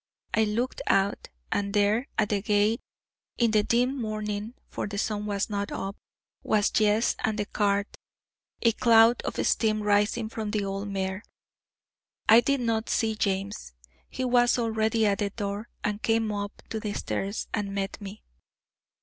I looked out, and there, at the gate, in the dim morning for the sun was not up was Jess and the cart a cloud of steam rising from the old mare. I did not see James; he was already at the door, and came up to the stairs, and met me.